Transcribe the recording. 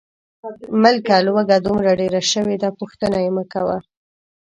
ملکه لوږه دومره ډېره شوې ده، پوښتنه یې مکوه.